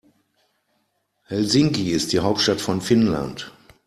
Helsinki ist die Hauptstadt von Finnland.